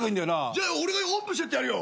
じゃあ俺がおんぶしてってやるよ。